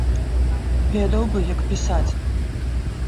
Ведаў бы, як пісаць!